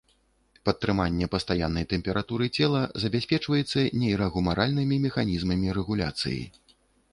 Падтрыманне пастаяннай тэмпературы цела забяспечваецца нейрагумаральнымі механізмамі рэгуляцыі.